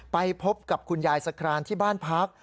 ไปพบกับคุณยายสครานที่บ้านพัก